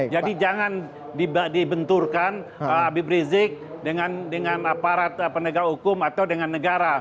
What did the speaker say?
jadi jangan dibenturkan abiy rizik dengan aparat penegak hukum atau dengan negara